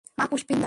মা, পুষ্পিনদার।